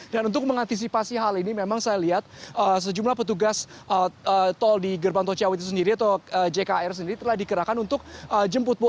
dan untuk mengantisipasi hal ini memang saya lihat sejumlah petugas tol di gerbang tol ciawi itu sendiri atau jkr sendiri telah dikerahkan untuk sistem jemput bola